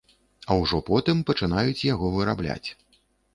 А ўжо потым пачынаюць яго вырабляць.